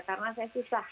karena saya susah